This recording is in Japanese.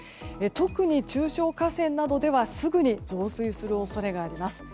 特に中小河川などではすぐに増水する恐れがあります。